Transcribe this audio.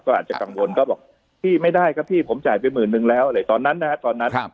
ก็อาจจะกังวลก็บอกพี่ไม่ได้ครับพี่ผมจ่ายไปหมื่นนึงแล้วอะไรตอนนั้นนะฮะตอนนั้น